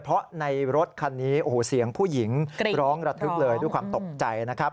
เพราะในรถคันนี้โอ้โหเสียงผู้หญิงร้องระทึกเลยด้วยความตกใจนะครับ